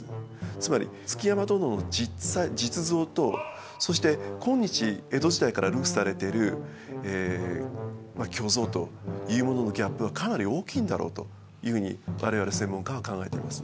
つまり築山殿の実像とそして今日江戸時代から流布されてるまあ虚像というもののギャップはかなり大きいんだろうというふうに我々専門家は考えています。